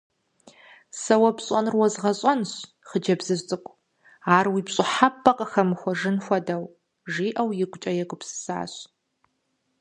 Сэ уэ пщӏэнур уэзгъэщӏэнщ, хъыджэбзыжь цӏыкӏу, ар уи пщӏыхьэпӏэ къыхэмыхуэжын хуэдэу,— жиӏэу игукӏэ егупсысащ.